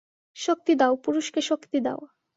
শক্তি দাও, পুরুষকে শক্তি দাও।